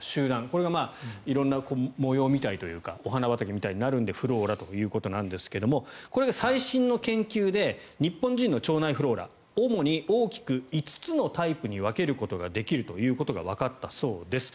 これが色んな模様というかお花畑みたいになるのでフローラということですがこれが最新の研究で日本人の腸内フローラ主に大きく５つのタイプに分けることができるということがわかったそうです。